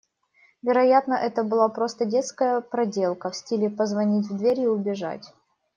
Вероятно, это была просто детская проделка, в стиле позвонить в дверь и убежать.